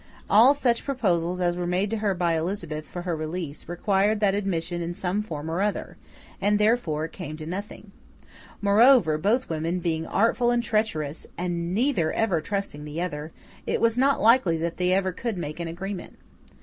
All such proposals as were made to her by Elizabeth for her release, required that admission in some form or other, and therefore came to nothing. Moreover, both women being artful and treacherous, and neither ever trusting the other, it was not likely that they could ever make an agreement.